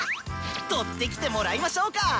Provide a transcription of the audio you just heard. とってきてもらいましょうか！